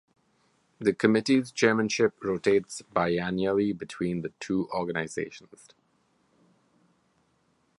The committees's chairmanship rotates biennially between the two organizations.